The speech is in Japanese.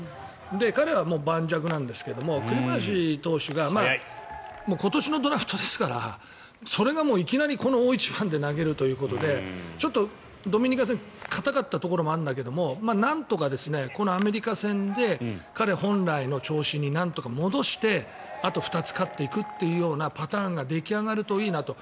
彼は盤石なんですが栗林投手が今年のドラフトですからそれがもういきなりこの大一番で投げるということでちょっと、ドミニカ戦固かったところもあるんだけどなんとかこのアメリカ戦で彼本来の調子になんとか戻してあと２つ勝っていくというようなパターンが出来上がるといいなと。